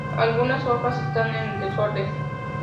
Algunas hojas están en desorden.